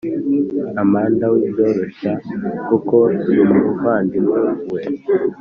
amanda wibyoroshya kuko sumuvandimwe we